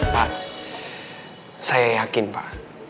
pak saya yakin pak